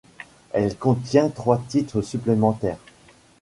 Elle contient trois titres supplémentaires.